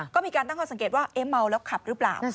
ก็มีการตั้งข้อสังเกตว่าเมาแล้วขับหรือเปล่า